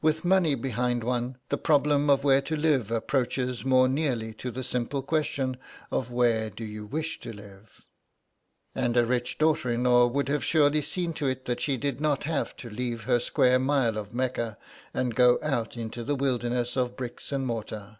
With money behind one, the problem of where to live approaches more nearly to the simple question of where do you wish to live, and a rich daughter in law would have surely seen to it that she did not have to leave her square mile of Mecca and go out into the wilderness of bricks and mortar.